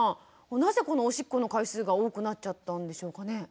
なぜこのおしっこの回数が多くなっちゃったんでしょうかね？